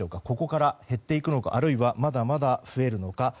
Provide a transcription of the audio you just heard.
ここから減っていくのかあるいは、まだまだ増えるのか。